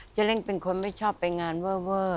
เร่งเป็นคนไม่ชอบไปงานเวอร์